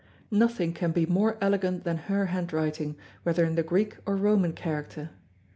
Nothing can be more elegant than her handwriting, whether in the Greek or Roman character.